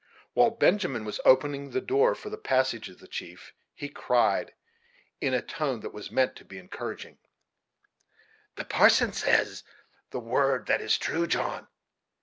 While Benjamin was opening the door for the passage of the chief, he cried, in a tone that was meant to be encouraging: "The parson says the word that is true, John.